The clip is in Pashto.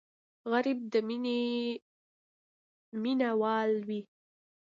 غریب د مینې مینهوال وي